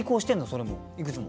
それもいくつも。